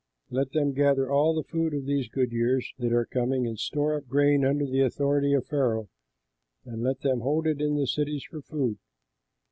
Let them gather all the food of these good years that are coming and store up grain under the authority of Pharaoh, and let them hold it in the cities for food.